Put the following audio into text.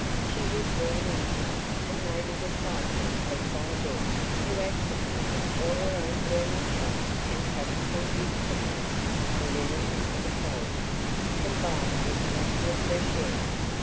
She was drawn into it, and made a disciple of by Deb, who attributed all her own blooming health and practical youthfulness to linen underclothing, combined with plenty of fresh air.